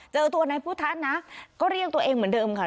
เจอตัวนายพุทธะนะก็เรียกตัวเองเหมือนเดิมค่ะ